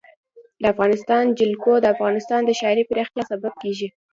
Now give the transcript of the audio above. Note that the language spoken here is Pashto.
د افغانستان جلکو د افغانستان د ښاري پراختیا سبب کېږي.